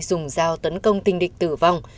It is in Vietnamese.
dùng dao tấn công tình địch tử vong